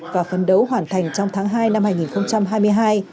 và phấn đấu hoàn thành trong tháng hai năm hai nghìn hai mươi hai